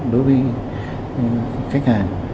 đối với khách hàng